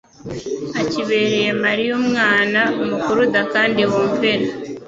akibereye Mariya umwana umukuruda kandi wumvira.